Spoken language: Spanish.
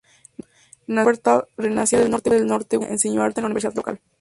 Nació en Wuppertal, Renania del Norte-Westfalia, enseñó arte en la universidad local.